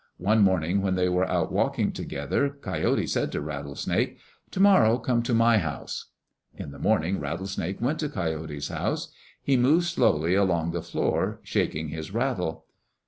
One morning when they were out walking together, Coyote said to Rattlesnake, "To morrow come to my house." In the morning Rattlesnake went to Coyote's house. He moved slowly along the floor, shaking his rattle.